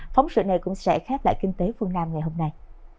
phóng sự này cũng sẽ khép lại kinh tế phương nam ngày hôm nay